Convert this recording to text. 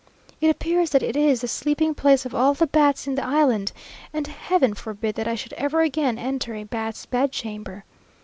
It appears that it is the sleeping place of all the bats in the island; and heaven forbid that I should ever again enter a bat's bedchamber!